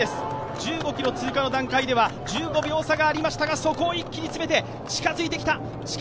１５ｋｍ通過の段階では１５秒差がありましたがそこを一気に詰めて近づいてきた。